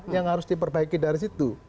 yang harus diperbaiki dari situ